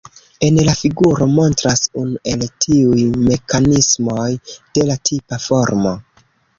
En la figuro montras unu el tiuj mekanismoj, de la tipa formo.